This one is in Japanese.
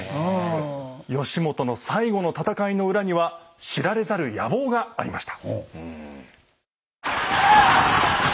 義元の最後の戦いの裏には知られざる野望がありました。